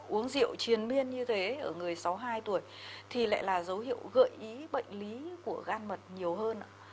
uống rượu triền miên như thế ở người sáu mươi hai tuổi thì lại là dấu hiệu gợi ý bệnh lý của gan mật nhiều hơn ạ